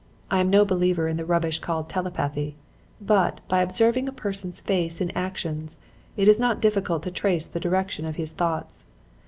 I am no believer in the rubbish called telepathy, but, by observing a person's face and actions, it is not difficult to trace the direction of his thoughts.